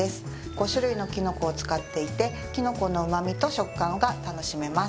５種類のきのこを使っていてきのこの旨味と食感が楽しめます